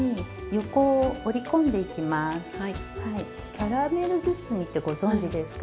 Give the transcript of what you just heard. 「キャラメル包み」ってご存じですか？